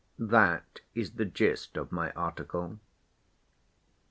That is the gist of my article."